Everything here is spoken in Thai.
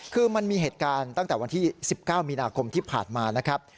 คือมันมีเหตุการณ์ตั้งแต่วันที่๑๙มีนาคมที่ผ่านมานะครับ